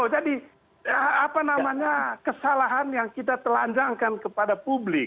jadi apa namanya kesalahan yang kita telanjangkan kepada publik